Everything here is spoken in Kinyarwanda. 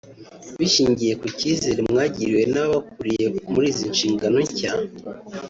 bishingiye ku kizere mwagiriwe n’ababakuriye muri izi nshingano nshya